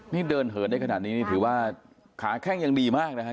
นี่เดินเหินได้ขนาดนี้นี่ถือว่าขาแข้งยังดีมากนะครับ